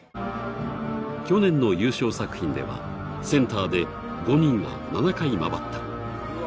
去年の優勝作品ではセンターで５人が７回、回った。